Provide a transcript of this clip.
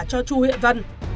cho chu huệ vân